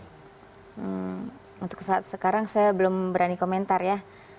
hmm untuk saat sekarang saya belum berani komentar ya